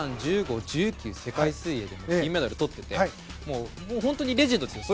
１３、１５、１９世界水泳で金メダルをとってて本当にレジェンドですよ。